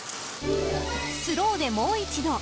スローでもう一度。